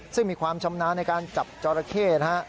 ซึ่งมีความชำนาญในการจับจอราเข้นะฮะ